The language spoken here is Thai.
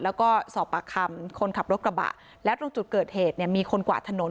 แล้วก็สอบปากคำคนขับรถกระบะและตรงจุดเกิดเหตุเนี่ยมีคนกวาดถนน